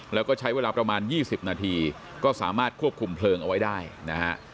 แล้วก็ใช้เวลาประมาณ๒๐นาทีก็สามารถควบคุมเพลิงเอาไว้ได้นะฮะ